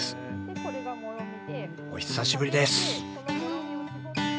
お久しぶりです！